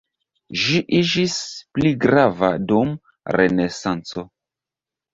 Ĝi iĝis pli grava dum Renesanco.